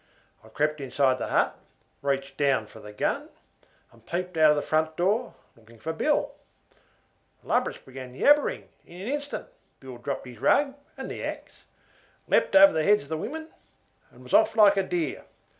I crept inside the hut, reached down for the gun, and peeped out of the front door, looking for Bill. The lubras began yabbering, and in an instant Bill dropped his rug and the axe, leaped over the heads of the women, and was off like a deer.